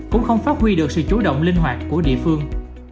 cũng không phát huy được sự chủ động linh hoạt của địa phương